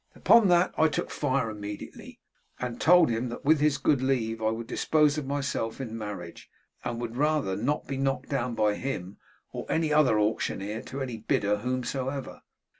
Upon that, I took fire immediately, and told him that with his good leave I would dispose of myself in marriage, and would rather not be knocked down by him or any other auctioneer to any bidder whomsoever.